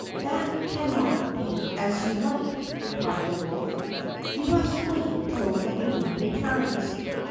"That cannot be as you like," replied the wolf. "You must wait till the queen returns."